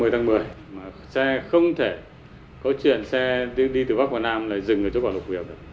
ba mươi tháng một mươi xe không thể có chuyện xe đi từ bắc vào nam là dừng ở chỗ quả lục nghiệp